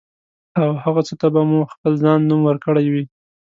او هغه څه ته به مو خپل ځان نوم ورکړی وي.